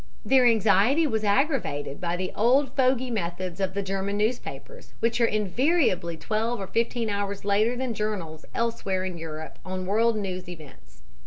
Their anxiety was aggravated by the old fogey methods of the German newspapers, which are invariably twelve or fifteen hours later than journals elsewhere in Europe on world news events.